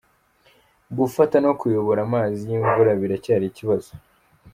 Gufata no kuyobora amazi y’imvura biracyari ikibazo.